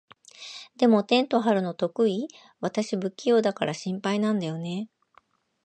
でも、テント張るの得意？私、不器用だから心配なんだよね。